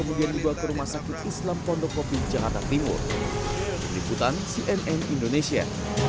untuk islam pondokopi jakarta timur berikutan cnn indonesia